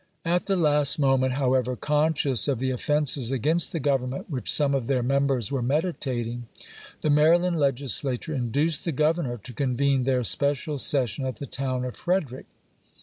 At the last moment, however, conscious of the offenses against the Government which some of their members were meditating, the Maryland Legislature induced the Governor to convene their special session at the town of Frederick.